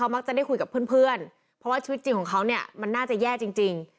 มักจะได้คุยกับเพื่อนเพราะว่าชีวิตจริงของเขาเนี่ยมันน่าจะแย่จริง